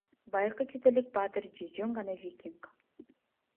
Байыркы чет элдик баатыр же жөн гана викинг.